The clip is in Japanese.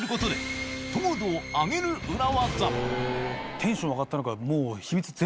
テンション上がったのか。